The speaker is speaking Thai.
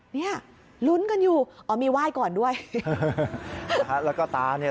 เนี่ยลุ้นกันอยู่อ๋อมีไหว้ก่อนด้วยนะฮะแล้วก็ตาเนี่ย